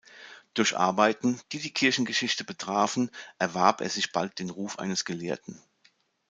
Durch Arbeiten, die die Kirchengeschichte betrafen, erwarb er sich bald den Ruf eines Gelehrten.